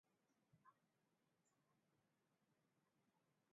John Muhindi Uwajeneza wote kutoka kikosi cha sitini na tano cha jeshi la Rwanda